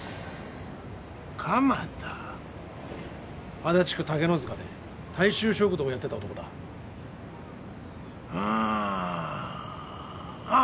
足立区竹の塚で大衆食堂をやってた男だあああっ